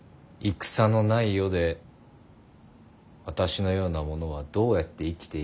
戦のない世で私のような者はどうやって生きていけばよいのだ。